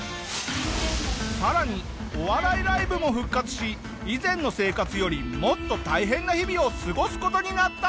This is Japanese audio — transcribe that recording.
さらにお笑いライブも復活し以前の生活よりもっと大変な日々を過ごす事になったんだ！